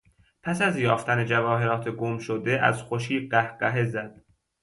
پس از یافتن جواهرات گمشده از خوشی قهقهه زد.